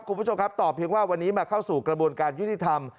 คุณผู้ชมครับตอบเพียงว่าวันนี้มาเข้าสู่กระบวนการยุติธรรม